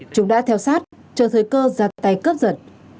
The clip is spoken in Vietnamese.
chúng đã theo sát chờ thời cơ ra tay cướp giật